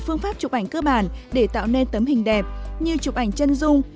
phương pháp chụp ảnh cơ bản để tạo nên tấm hình đẹp như chụp ảnh chân dung